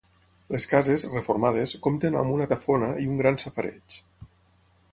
Les cases, reformades, compten amb una tafona i un gran safareig.